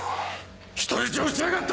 人質を撃ちやがった！